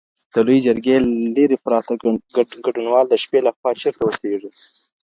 د لویې جرګي ليري پراته ګډونوال د شپي له خوا چېرته اوسیږي؟